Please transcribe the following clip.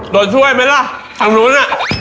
โดนช่วยไหมล่ะทางนู้นน่ะ